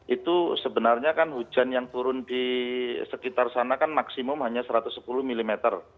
itu sebenarnya kan hujan yang turun di sekitar sana kan maksimum hanya satu ratus sepuluh mm